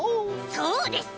そうです。